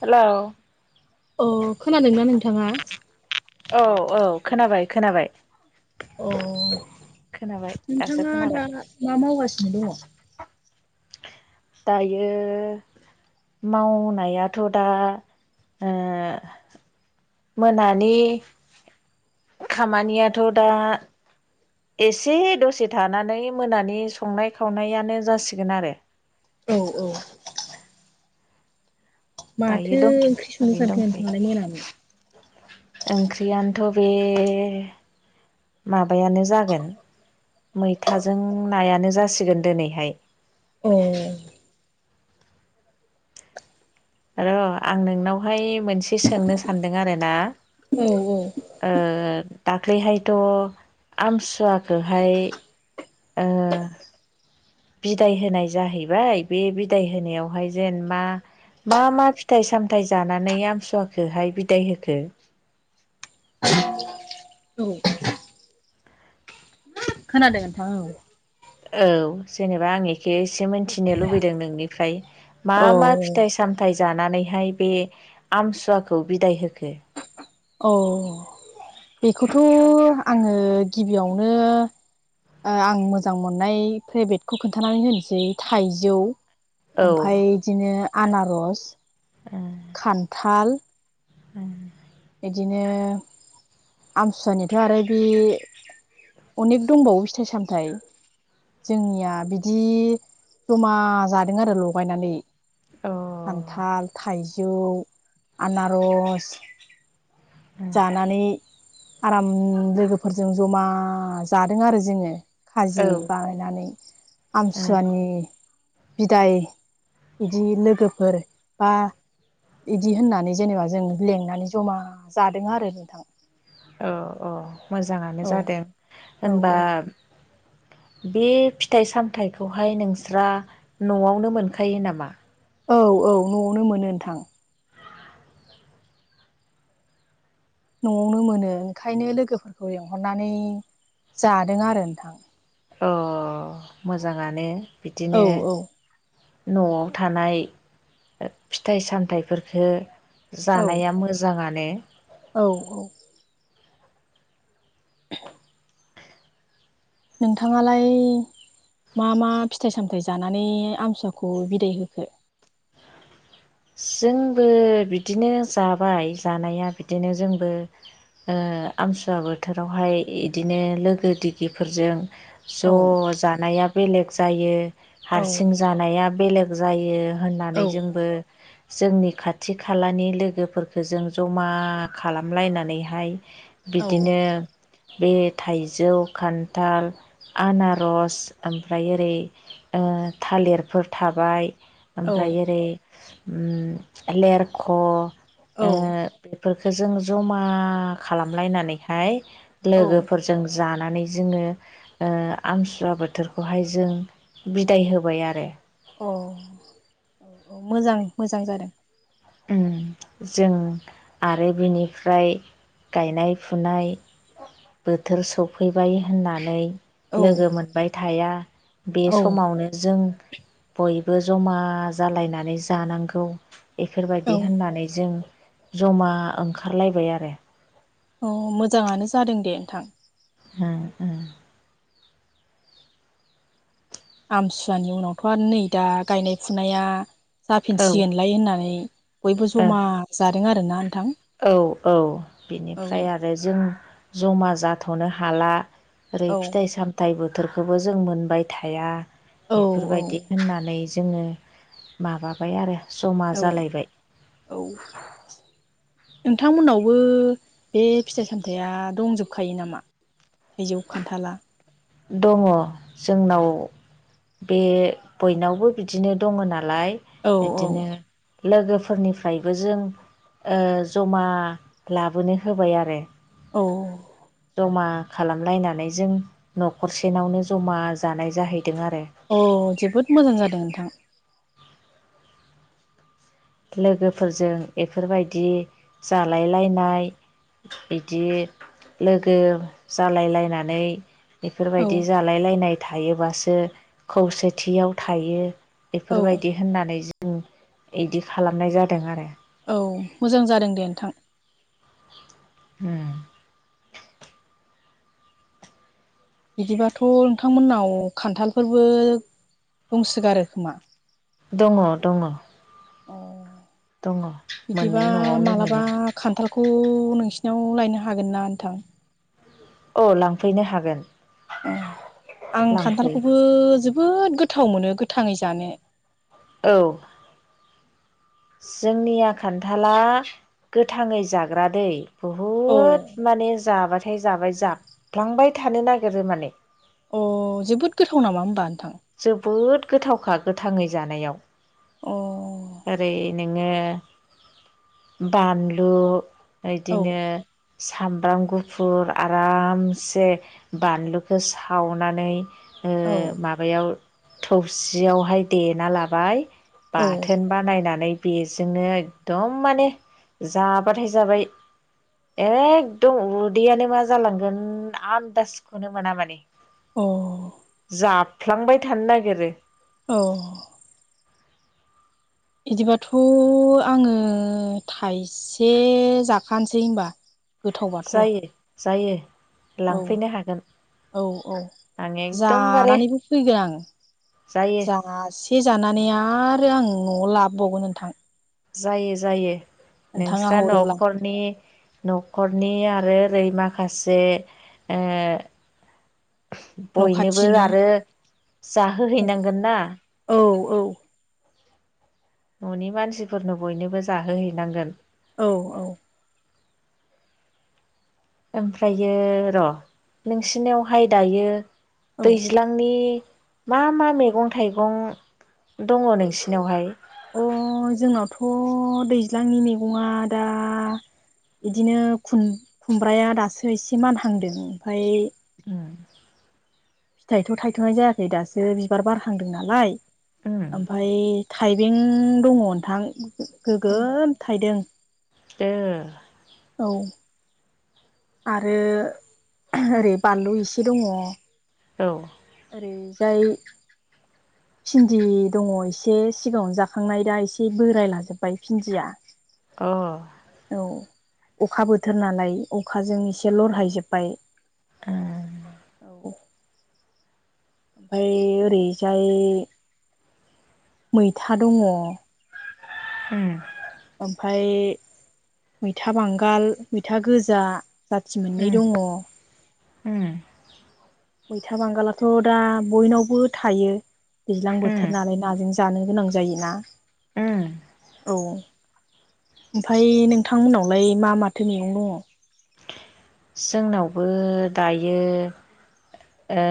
Hello अ खोनादोंना नोंथाङा औ औ खोनाबाय खोनाबाय अ खोनाबाय दासो नोंथाङा दा खोनाबाय मा मावगासिनो दङ दायो मावनायाथ दा ओ मोनानि खामानियाथ दा एसे दसे थानानै मोनानि संनाय खावनायानो जासिगोन आरो औ औ दायो माथो दंथ ओंख्रि संनो ओरैनो सानखो नोंथाङालाय मोनानि? दंथयो ओंख्रियानोथ बे माबायानो जागोन मैथाजों नायानो जासिगोन दिनैहाय औ र आं नोंनावहाय मोनसे सोंनो सानदों आरो ना औ औ ओ दाख्लैहायथ आमसुवाखोहाय ओ बिदाय होनाय जाहैबाय बे बिदाय होनायावहाय जेन मा मा मा फिथाइ सामथायाइ जानानै आमसुवखौहाय बिदाय होखो औ खोनादों नोंथां औ औ जेनेबा आं एखे एसे मोनथिनो लुबैदों नोंनिफ्राय मा औ मा फिथाइ सामथायाइ जानानै हाय बे आमसुवाखौ बिदाय होखो औ बेखौथ' आङो गिबियावनो ओ आं मोजां मोननाय फेभेटखौ खोन्थानानै होनोसै थाइजौ औ ओमफाय बिदिनो आनारस अ खान्थाल [unintelligible] इदिनो आमसुवानिथ' आरो बे अनेख दंबावो फिथाइ सामथाइ जोंनिया बिदि जमा जादों आरो लगायनानै खान्थाल थाइजौ आनारस जानानै आराम लोगोफोरजों जमा जादों आरो जोङो औ खाजि बानायनानै अ आमसुवानि बिदाय बिदि लोगोफोर बा इदि होननानै जेनेबा जों लेंनानै जमा जादों आरो नोंथां औ औ मोजाङानो औ जादों औ होनबा बे फिथाइ सामथायाइखौहाय नोंस्रा न'आवनो मोनखायो नामा औ औ न'आवनो मोनो नोंथां न'आवनो मोनो ओंखायनो लोगोफोरखौ लिंहरनानै जादों आरो नोंथां अ मोजाङानो औ बिदिनो औ न'आव थानाय फिथाइ सामथाइफोरफोरखौ औ जानाया मोजांआनो औ औ [unintelligible] नोंथाङालाय मा मा फिथाइ सामथायाइ जानानै आमसुवाखौ बिदाय होखो जोंबो बिदिनो जाबाय जानाया बिदिनो जोंबो ओ आमसुवा बोथोरावहाय बिदिनो लोगो दिगिफोरजों औ ज' जानाया बेलेग जायो औ हारसिं जानाया बेलेक जायो औ होननानै जोंबो जोंनि खाथि- खालानि लोगोफोरफोरखौ जों जमा खालामलायनानै हाय औ बिदिनो बे थाइजौ खान्थाल आनारस ओमफ्राय ओरै ओ ओ थालिरफोर थाबाय औ ओमफ्राय ओरै उम लेरख'ओ औ बेख जों जमा खालामलायनानैहाय अ औ लोगोफोरजों जा नानै जोङो आमसुवा बोथोरखौहाय जों बिदाय होबाय आरो अ औ औ मोजां मोजां जादों उम जों आरो बेनिफ्राय गायनाय- फुनाय बोथोर सफैबाय होननानै औ लोगो मोनबाय थाया बे औ समावनो जों बयबो जमा जालायनानै जानांगौ औ बेफोरबायदि होननानै जों जमा ओंखारलायबाय आरो औ मोजाङानो जादों दे नोंथां [unintelligible] आमसुवानि उनावथ' आरो नै दा गायनाय फुनाया औ जाफिनसिगोनलाय होननानै बयबो ओं जमा जादों आरोना नोंथां औ औ औ बिनिफ्राय आरो जों जमा जाथ'नो हाला ओरै औ फिथाइ सामथायाइ बोथोरखौबो जों मोनबाय थाया औ औ बेफोरबायदि होननानै जोंङो माबाबाय आरो जमा औ जालायबाय औ नोंथांमोनावबो बे फिथाइ सामथाइया दंजोबखायो नामा थाइजौ खान्थाला दंङ जोंनाव बे बयनावबो बिदिनो दंङ आरो दालाय औ औ बिदिनो लोगोफोरनिफ्रायबो जों जमा लाबोनो होबाय आरो औ जमा खालामलायनानै जों न'खरसेनावनो जमा जानाय जाहैयो अ जोबोद मोजां जादों नोंथां लोगोफोरजों बेफोरबायदि जालायलायनाय बिदि लोगो जालायलायनानै औ बेफोरबायदि जालायलायनाय थायोबासो खौसेथियाव थायो औ बेफोरबायदि होननानै जों इदि खालामनाय जादों आरो औ मोजां जादों दे नोंथां ओम बिदिबाथ' नोंथांमोननाव खान्थालफोरबो दंसगारो खोमा दंङ दंङ अ बिदिबा मोनो न'आवनो मालाबा मोनो खान्थालखौ नोंसोरनि निनाव लायनो हागोन ना नोंथां औ लांफैनो हागोन औ आं लांफै खान्थालखौबो जोबोद गोथाव मोनो गोथांङै जानो औ जोंनिया खान्थाला गोथांङै जाग्रा दै औ बहुद माने जाबाथाय जाबाय जाब्लांबाय थाय थानो नागिरो माने अ जोबोद गोथाव नामा होमबा नोंथां जोबोद गोथावखा गोथांङै जानायाव अ ओरैनो नो बानलु औ इदिनो सामब्राम गुफुर आरामसे बानलुखौ सावनानै ओ औ माबायाव थौबसियावहाय देना लाबाय औ बाथोन बानायनानै बेजोंनो एकदम माने जाबाथाय जाबाय एखदम उदैयानो मा जालांगोन आदाजखौनो मोना माने अ जाफ्लांबाय थानो नागिरो औ बिदिबाथ' आंङो थाइसे जाखानोसै होनबा गोथावबाथ' जायो जायो औ लांफैनो हागोन औ औ आं एकदमबारे जानानैबो फैगोन आंङो जायो जासे जानानै आरो आं न'आव लाबोबावगोन नोंथां जायो जायो नोंथाङा नोंस्रा हरोब्ला न'खरनि न'खरनि आरो आरो ओरै माखासे न' बयनोबो खाथिनि आरो औ जाहोहैनांगोन ना औ औ न'नि मानसिफोरनो बयनोबो जाहोहैनांगोन औ औ। ओमफ्रायो र' नोंसिनियावहाय दायो औ दैज्लांनि मा मा मेगं थाइगं दङ नोंसिनावहाय? थ' दैज्लांनि मेगङा दा इदिनो खुम-खुमब्राया दासो एसे मानहांदों। ओमफाय उम। फिथाइथ' थायथ'नाय जायाखै दासो बिबार बारहांदों नालाय। उम ओमफाय थाइबें दङ नोंथां गोगोम थाइदों। दो। औ। आरो ओरै बानलु इसे दङ। औ। रैजाय। भिन्दि दङ एसे सिगाङावनो जाखांनाय दा एसे बोराय लाजोबबाय भिन्दिया। अ। औ अखा बोथोर नालाय अखाजों एसे लरहायजोब्बाय। अ औ। ओमफाय ओरैजाय मैथा दङ। उम। ओमफाय मैथा बांगाल, मैथा गोजा जाथि मोननै उम दङ। उम मैथा बांगालाथ' दा बयनावबो थायो। दैज्लां उम बोथोर नालाय नाजों जानो गोनां जायोना। उम औ। ओमफाय नोंथांमोननावलाय मा माथो मैगं दङ? जोंनावबो दायो ओ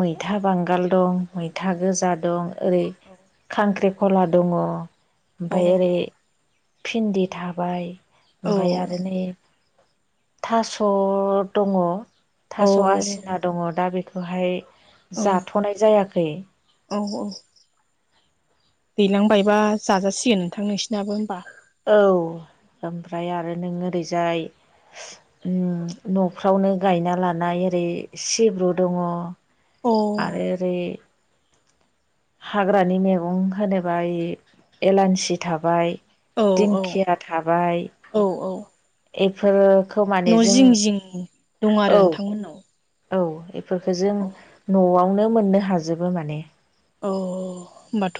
मैथा बांगाल दं, मैथा गोजा दं, ओरै खांख्रिखला दङ औ ओमफाय ओरै भिन्दि थाबाय ओमफ्राय आरो नै थास' दङ औ थास' आसिना दङ। दा बेखौहाय जाथ'नाय जायाखै। औ औ दैलांबायबा जाजासिगोन नोंथां नोंसिनाबो होमबा। औ ओमफ्राय आरो नों ओरैजाय न'फ्रावनो गायना लानाय ओरै सिब्रु दङ। अ आरो औ ओरै हाग्रानि मैगं होनोबा एलानसि थाबाय औ दिंखिया थाबाय औ औ एफोरो न' जिं जिं दं आरो औ नोंथांमोननाव। औ एफोरखौ जों अ न'आवनो मोननो हाजोबो माने। औ औ होमबाथ'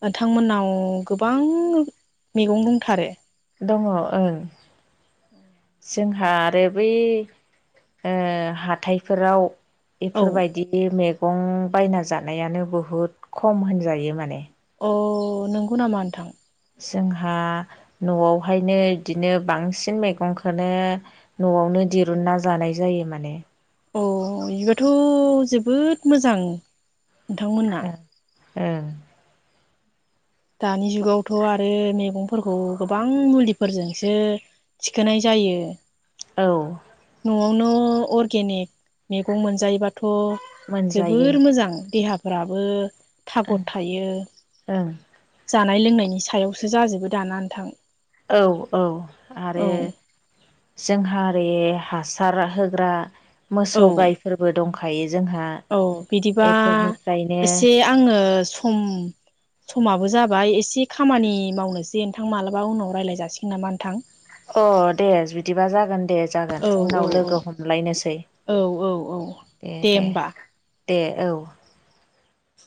नोंथांमोननाव गोबां मैगं दंथारो। दङ ओं। अ। जोंहा आरो बै ओ हाथायफोराव औ बेफोरबायदि मैगं बायना जानायानो बुहुद खम होनजायो माने। अ नोंगौ नामा नोंथां। जोंहा न'आवहायनो इदिनो बांसिन मैगंखोनो न'आवनो दिरुनना जानाय जायो माने। औ बिबोथ' जोबोद मोजां नोंथांमोनना। ओ। दानि जुगावथ आरो मैगंफोरखौ गोबां मुलिफोरजोंसो थिखोनाय जा जायो। औ नआवनो अरगेनिक मैगं मोनजायोबाथ मोनजायो जोबोर मोजां देहा फोराबो ओं थागद थायो ओं जानाय लोंनायनि सायावसो जाजोबो दाना नोंथां। औ औ आरो औ जोंहा बे हासार होग्रा मोसौ औ गायफोरबो दंखायो जोंहा औ बिदिबा बेफोरनिफ्रायनो एसे आङो सम समाबो जाबाय एसे खामानि मावनोसै नोंथां मालाबा उनाव रायलाय जासिगोन नामा नोंथां? अ दे बिदिबा जागोन दे जागोन औ औ उनाव लोगो हमलायनोसै औ औ औ ए दे। दे औ।